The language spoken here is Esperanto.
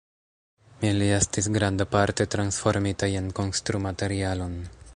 Ili estis grandparte transformitaj en konstru-materialon.